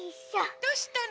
どうしたの？